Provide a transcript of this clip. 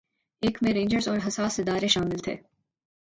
ایک میں رینجرز اور حساس ادارے شامل تھے